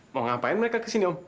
mau ngapain mereka kesini om